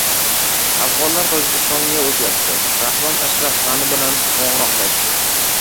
"Afg‘onlar Tojikistonga o‘tyapti": Rahmon Ashraf G‘ani bilan qo‘ng‘iroqlashdi